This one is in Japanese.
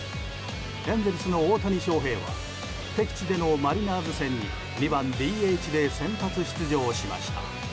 エンゼルスの大谷翔平は敵地でのマリナーズ戦に２番ＤＨで先発出場しました。